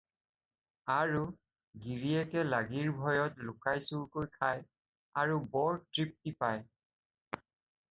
আৰু গিৰীয়েকে লাগীৰ ভয়ত লুকাই-চুৰকৈ খায় আৰু বৰ তৃপ্তি পায়।